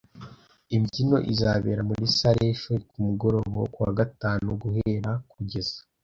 Imbyino izabera muri salle yishuri kumugoroba wo kuwa gatanu guhera h kugeza